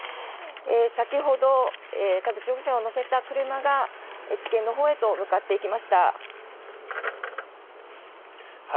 先ほど田口容疑者を乗せた車が地検のほうへと向かっていきました。